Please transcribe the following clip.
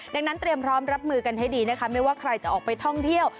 ดังนั้นเตรียมพร้อมรับมือกันให้ดีนะคะไม่ว่าใครจะออกไปท่องเที่ยว